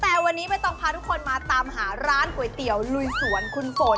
แต่วันนี้ไม่ต้องพาทุกคนมาตามหาร้านก๋วยเตี๋ยวลุยสวนคุณฝน